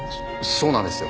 そうなんですよ。